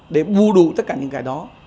để vu dụ tất cả những cái đó